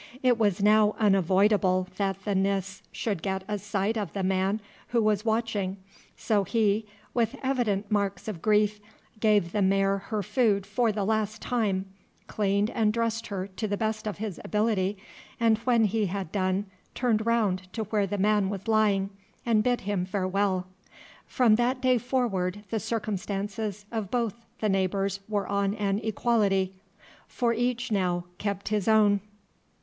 It was now unavoidable that the Nis should get a sight of the man who was watching, so he, with evident marks of grief, gave the mare her food for the last time, cleaned and dressed her to the best of his ability, and when he had done, turned round to where the man was lying, and bid him farewell. From that day forward the circumstances of both the neighbours were on an equality, for each now kept his own.